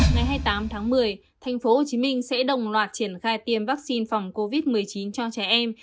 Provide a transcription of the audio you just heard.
ngày hai mươi tám tháng một mươi tp hcm sẽ đồng loạt triển khai tiêm vaccine phòng covid một mươi chín cho trẻ em